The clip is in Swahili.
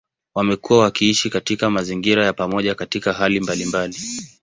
Wamekuwa wakiishi katika mazingira ya pamoja katika hali mbalimbali.